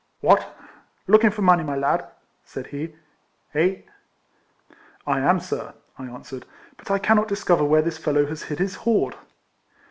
" What ! looking for money, my lad," said he, "eh?" "I am sir," I answered; "but I cannot RIFLEMAN HARRIS. 85 discover where this fellow has hid his hoard."